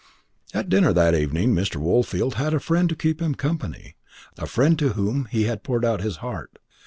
At dinner that evening Mr. Woolfield had a friend to keep him company, a friend to whom he had poured out his heart.